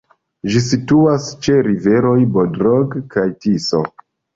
Ĝi situas ĉe riveroj Bodrog kaj Tiso.